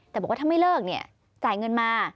แต่บอกว่าถ้าไม่เลิกเนี่ยจ่ายเงินมา